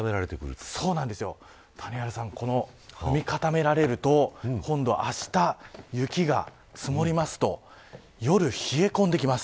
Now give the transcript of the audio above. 谷原さん、踏み固められると今度は、あした雪が積もると夜、冷え込んできます。